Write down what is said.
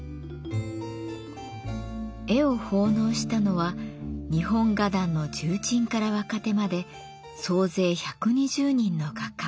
絵を奉納したのは日本画壇の重鎮から若手まで総勢１２０人の画家。